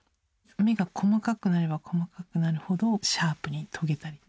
目が細かくなれば細かくなるほどシャープに研げたり。